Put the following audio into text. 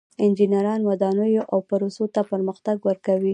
انجینران ودانیو او پروسو ته پرمختګ ورکوي.